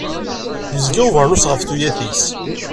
Yezga ubernus ɣef tuyat-is.